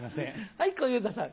はい小遊三さん。